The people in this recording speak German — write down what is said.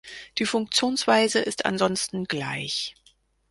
Die Funktionsweise ist ansonsten gleich.